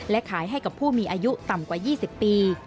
และขายให้กับผู้มีอายุต่ำกว่า๒๐ปี